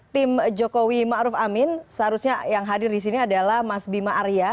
tim jokowi ma'ruf amin seharusnya yang hadir disini adalah mas bima arya